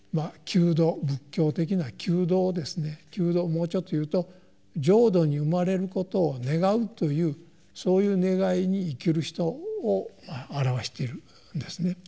もうちょっと言うと浄土に生まれることを願うというそういう願いに生きる人を表しているんですね。